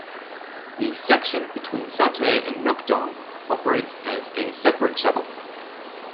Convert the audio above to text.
The section between Sotae and Nokdong operates as a separate shuttle.